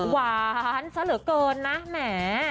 หวานเสลอเกินนะแหม